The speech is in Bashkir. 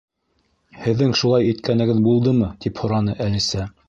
—Һеҙҙең шулай иткәнегеҙ булдымы? —тип һораны Әлисә.